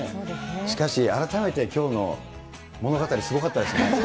しかし、改めてきょうの物語、すごかったですね。